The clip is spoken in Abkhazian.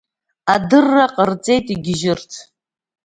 Адырра ҟарҵеит игьежьырц.